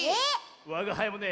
わがはいもね